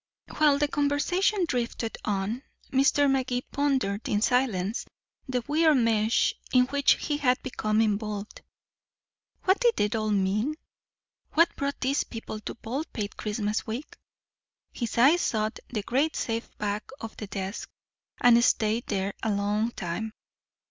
While the conversation drifted on, Mr. Magee pondered in silence the weird mesh in which he had become involved. What did it all mean? What brought these people to Baldpate Christmas week? His eyes sought the great safe back of the desk, and stayed there a long time.